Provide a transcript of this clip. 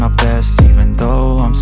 aku segini deh anak ku